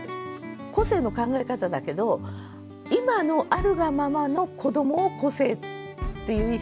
個性の考え方だけど今のあるがままの子どもを個性っていう表現もあると思うんですよね。